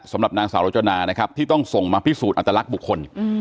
สำหรับนางสาวรจนานะครับที่ต้องส่งมาพิสูจนอัตลักษณ์บุคคล